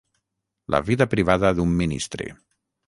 La vida privada d'un ministre.